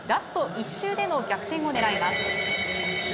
１周での逆転を狙います。